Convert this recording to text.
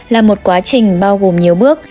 là một quá trình bao gồm nhiều bước